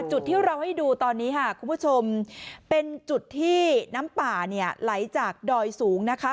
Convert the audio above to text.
จุดที่เราให้ดูตอนนี้ค่ะคุณผู้ชมเป็นจุดที่น้ำป่าเนี่ยไหลจากดอยสูงนะคะ